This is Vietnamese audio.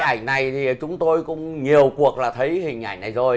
ảnh này thì chúng tôi cũng nhiều cuộc là thấy hình ảnh này rồi